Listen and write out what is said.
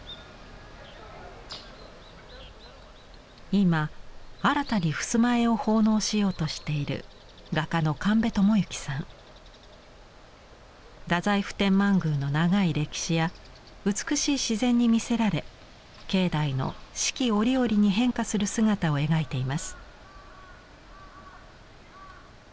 今新たにふすま絵を奉納しようとしている太宰府天満宮の長い歴史や美しい自然に魅せられ境内の四季折々に変化する姿を描いています。